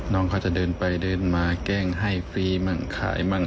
น้องเขาจะเดินไปเดินมาแกล้งให้ฟรีมั่งขายมั่ง